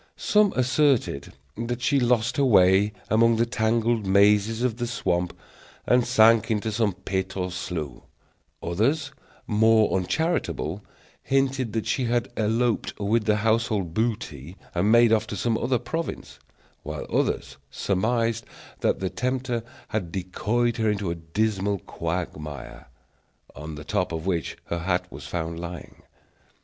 Some asserted that she lost her way among the tangled mazes of the swamp, and sank into some pit or slough; others, more uncharitable, hinted that she had eloped with the household booty, and made off to some other province; while others surmised that the tempter had decoyed her into a dismal quagmire, on the top of which her hat was found lying.